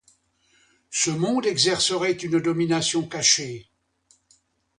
Ce monde exercerait une domination cachée.